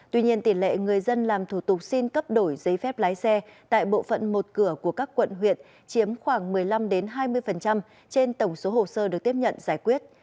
tuy nhiên tỷ lệ người dân làm thủ tục xin cấp đổi giấy phép lái xe tại bộ phận một cửa của các quận huyện chiếm khoảng một mươi năm hai mươi trên tổng số hồ sơ được tiếp nhận giải quyết